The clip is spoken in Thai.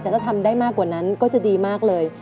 แต่ถ้าทำได้มากกว่านั้นก็จะดีมากเลย